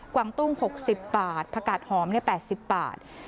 วางตุ้ง๖๐บาทผักกาดหอม๘๐บาท